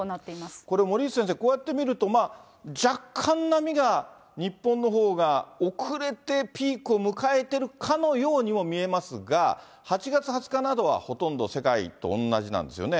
これ、森内先生、こうやって見ると、若干、波が、日本のほうが遅れてピークを迎えているかのように見えますが、８月２０日などはほとんど世界と同じなんですよね。